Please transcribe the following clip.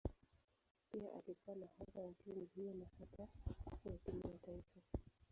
Pia alikuwa nahodha wa timu hiyo na hata wa timu ya taifa.